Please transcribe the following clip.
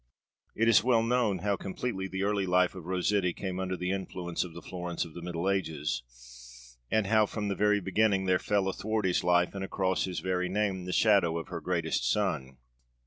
It is well known how completely the early life of Rossetti came under the influence of the Florence of the Middle Ages, and how from the very beginning there fell athwart his life and across his very name the shadow of her greatest son.